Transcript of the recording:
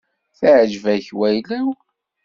Teεǧeb-ak wayla-w?